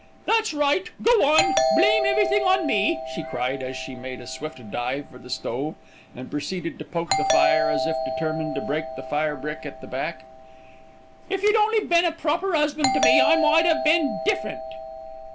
"That's right, go on. Blame everything on to me," she cried, as she made a swift dive for the stove, and proceeded to poke the fire as if determined to break the fire brick at the back. "If you'd only been a proper 'usband to me I might have been different."